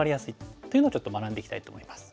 っていうのをちょっと学んでいきたいと思います。